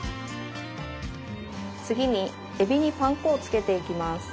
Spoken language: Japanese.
次にえびにパン粉をつけていきます。